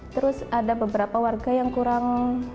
terus ada beberapa warga yang kurang